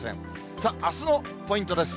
さあ、あすのポイントです。